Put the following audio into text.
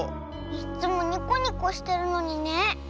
いっつもニコニコしてるのにね。